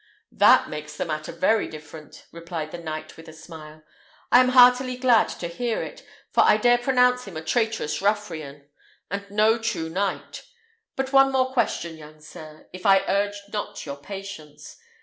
"That makes the matter very different," replied the knight with a smile. "I am heartily glad to hear it, for I dare pronounce him a traitorous ruffian, and no true knight. But one more question, young sir, if I urge not your patience.